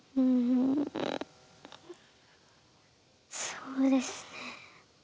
そうですね。